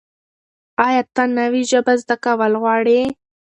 ایا ته نوې ژبه زده کول غواړې؟